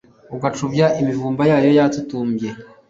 ugacubya imivumba yayo yatutumbye